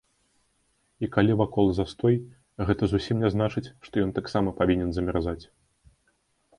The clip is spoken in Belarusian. І калі вакол застой, гэта зусім не значыць, што ён таксама павінен замярзаць.